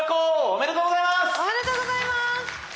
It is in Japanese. おめでとうございます。